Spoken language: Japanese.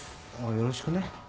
よろしくね。